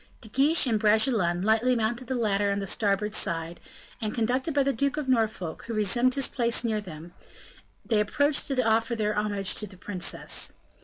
De Guiche and Bragelonne lightly mounted the ladder on the starboard side, and, conducted by the Duke of Norfolk, who resumed his place near them, they approached to offer their homage to the princess.